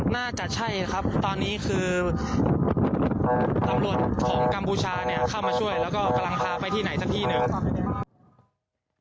น่าจะใช่ครับตอนนี้คือตำรวจของกัมพูชาเนี่ยเข้ามาช่วยแล้วก็กำลังพาไปที่ไหนสักที่หนึ่ง